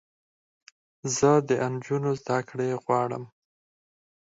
زه د انجونوو زدکړې غواړم